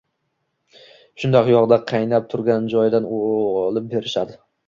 Shundoq yog‘da qaynab turgan joyidan olib berishadi